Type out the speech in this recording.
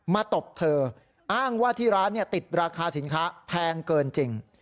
ตบเธออ้างว่าที่ร้านติดราคาสินค้าแพงเกินจริง